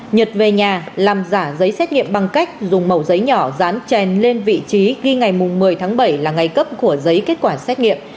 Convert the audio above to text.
nhật về nhà làm giả giấy xét nghiệm bằng cách dùng màu giấy nhỏ dán chèn lên vị trí ghi ngày một mươi tháng bảy là ngày cấp của giấy kết quả xét nghiệm